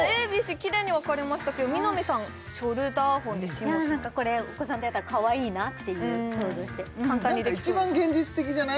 きれいに分かれましたけど南さんショルダーホンでしもしもこれお子さんとやったらかわいいなっていう想像して一番現実的じゃない？